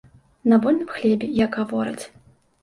На вольным хлебе, як гавораць.